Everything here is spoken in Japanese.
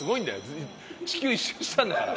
地球一周したんだから。